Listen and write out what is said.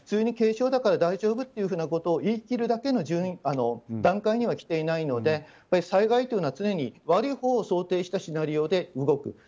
ですのでまだ軽症だから大丈夫だと言い切れる段階には来ていないので災害というのは常に悪いほうを想定したシナリオで動く。